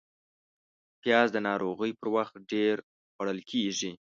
پیاز د ناروغۍ پر وخت ډېر خوړل کېږي